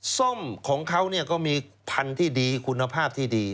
ส้มของเขาก็มีพันธุ์ที่ดีคุณภาพที่ดี